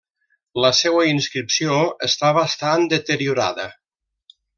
La seua inscripció està bastant deteriorada.